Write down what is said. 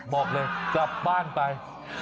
บอกเลยกลับบ้านไป